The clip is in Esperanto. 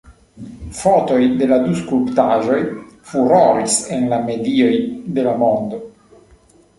Fotoj de la du skulptaĵoj furoris en la medioj de la mondo.